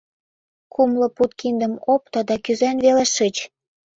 Кумло пуд киндым опто да кӱзен веле шич.